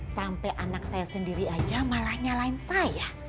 sampai anak saya sendiri aja malah nyalain saya